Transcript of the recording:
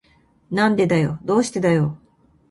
なんでだよ。どうしてだよ。